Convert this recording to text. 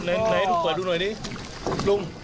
ไหนให้ลูกเผาดูหน่อยดิลุง